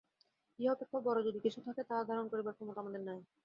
ইহা অপেক্ষাও বড় যদি কিছু থাকে, তাহা ধারণা করিবার ক্ষমতা আমাদের নাই।